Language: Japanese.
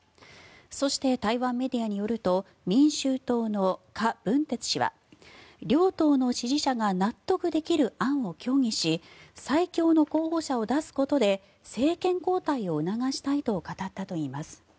そして台湾メディアによると民衆党のカ・ブンテツ氏は両党の支持者が納得できる案を協議し最強の候補者を出すことで政権交代を促したいと語ったといいます。